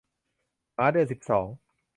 หมาเดือนสิบสอง